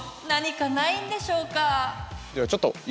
何かないんでしょうか？